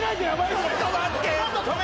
ちょっと待って！